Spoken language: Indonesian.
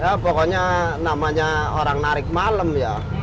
ya pokoknya namanya orang narik malam ya